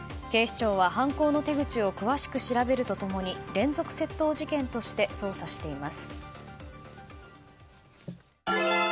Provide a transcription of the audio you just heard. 警視庁は犯行の手口を詳しく調べると共に連続窃盗事件として捜査しています。